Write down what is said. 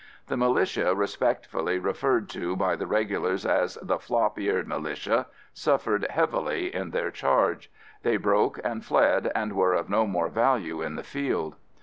The militia, respectfully referred to by the regulars as the "flop eared militia," suffered heavily in their charge. They broke and fled and were of no more value in the field.